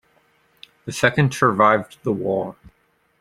The second survived the war.